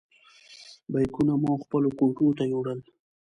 بیکونه مو خپلو کوټو ته یوړل.